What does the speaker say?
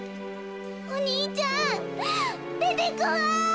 お兄ちゃんでてこい！